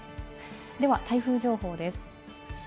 では、台風情報です。